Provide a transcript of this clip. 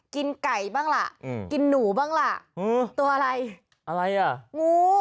กินไก่บ้างล่ะกินหนูบ้างล่ะตัวอะไรอะไรอ่ะงู